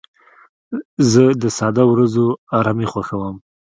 زه د ساده ورځو ارامي خوښوم.